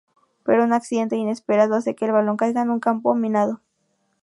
Pero un accidente inesperado hace que el balón caiga en un campo minado.